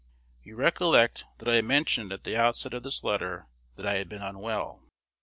You recollect that I mentioned at the outset of this letter that I had been unwell.